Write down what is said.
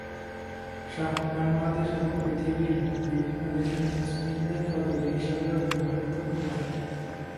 শাহ বাংলাদেশ এবং পৃথিবীর বিভিন্ন দেশের মুসলিমদের পদবি হিসেবে ও ব্যবহৃত হয়ে থাকে।